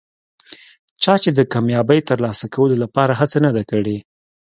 چا چې د کامیابۍ ترلاسه کولو لپاره هڅه نه ده کړي.